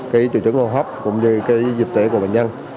chủ chứng hô hấp cũng như dịch tễ của bệnh nhân